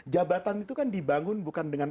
jabatan itu kan dibangun bukan dengan